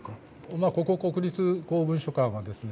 ここ国立公文書館はですね